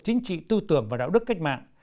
chính trị tư tưởng và đạo đức cách mạng